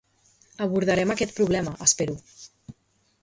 Abordarem aquest problema, espero.